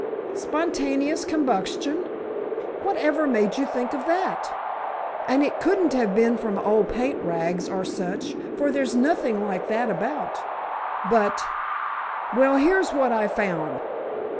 "Spontaneous combustion?" "Whatever made you think of that? And it couldn't have been from old paint rags, or such, for there's nothing like that about. But—well, here's what I found."